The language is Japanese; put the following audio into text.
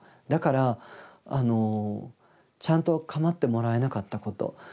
だからちゃんと構ってもらえなかったこと。